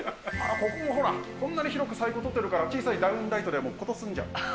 ここもほら、こんなに広く彩光とってるから、小さいダウンライトでことすんじゃう。